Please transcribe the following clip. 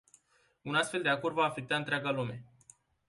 Un astfel de acord va afecta întreaga lume.